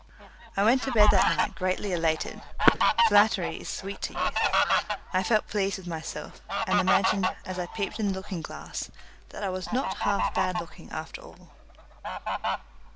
I went to bed that night greatly elated. Flattery is sweet to youth. I felt pleased with myself, and imagined, as I peeped in the looking glass, that I was not half bad looking after all.